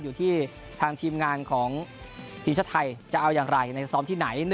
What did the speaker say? อยู่ที่ทางทีมงานของทีมชาติไทยจะเอาอย่างไรในซ้อมที่ไหน